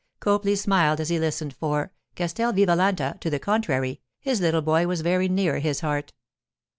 Copley smiled as he listened, for—Castel Vivalanti to the contrary—his little boy was very near his heart.